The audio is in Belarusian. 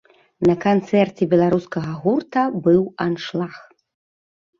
На канцэрце беларускага гурта быў аншлаг.